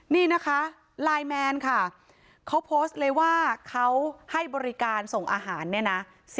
นี่นะคะไลน์แมนค่ะเขาโพสต์เลยว่าเขาให้บริการส่งอาหารเนี่ยนะ